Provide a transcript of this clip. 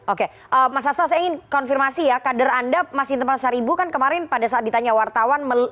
oke mas asto saya ingin konfirmasi ya kader anda masih di tempat seribu kan kemarin pada saat ditanya wartawan